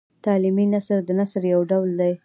تعلیمي نثر د نثر یو ډول دﺉ.